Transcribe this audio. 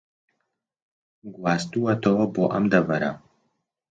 گواستووەتەوە بۆ ئەم دەڤەرە